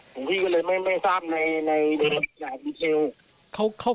หลวงพี่ก็เลยไม่ทราบในรายละเอียด